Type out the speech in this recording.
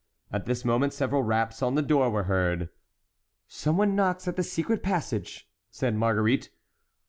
At this moment several raps on the door were heard. "Some one knocks at the secret passage," said Marguerite.